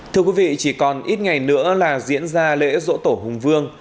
thưa quý vị chỉ còn ít ngày nữa là diễn ra lễ dỗ tổ hùng vương